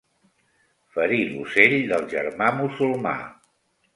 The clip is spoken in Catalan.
Ferir l'ocell del germà musulmà.